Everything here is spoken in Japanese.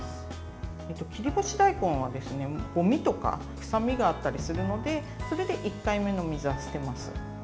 切り干し大根はごみとか臭みがあったりするのでそれで１回目の水は捨てます。